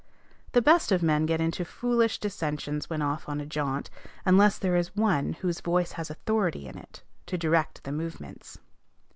The best of men get into foolish dissensions when off on a jaunt, unless there is one, whose voice has authority in it, to direct the movements.